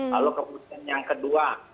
lalu kemudian yang kedua